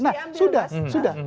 nah sudah sudah